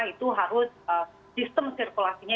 itu harus sistem sirkulasinya